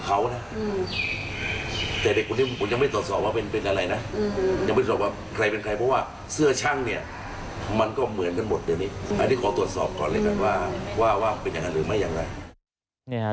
อันนี้ขอตรวจสอบก่อนเลยกันว่าว่าเป็นอย่างนั้นหรือไม่อย่างไร